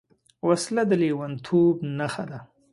وسله د لېونتوب نښه ده